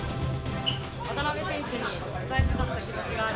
渡邊選手に伝えたかった気持